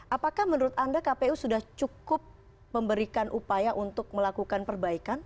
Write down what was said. apakah menurut anda kpu sudah cukup memberikan upaya untuk melakukan perbaikan